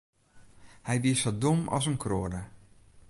Hy wie sa dom as in kroade.